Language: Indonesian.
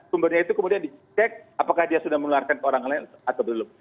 sumbernya itu kemudian dicek apakah dia sudah menularkan ke orang lain atau belum